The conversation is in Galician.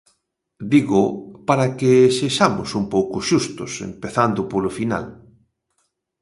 Dígoo para que sexamos un pouco xustos, empezando polo final.